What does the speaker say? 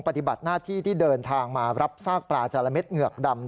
ปฏิบัติหน้าที่ที่เดินทางมารับซากปลาจาระเด็ดเหงือกดำ